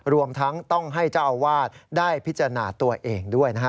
รวมทั้งต้องให้เจ้าอาวาสได้พิจารณาตัวเองด้วยนะฮะ